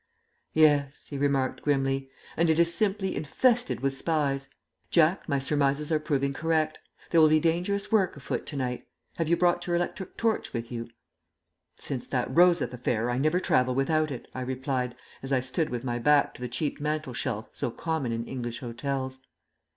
"Yes," he remarked, grimly; "and it is simply infested with spies. Jack, my surmises are proving correct. There will be dangerous work afoot to night. Have you brought your electric torch with you?" "Since that Rosyth affair, I never travel without it," I replied, as I stood with my back to the cheap mantel shelf so common in English hotels.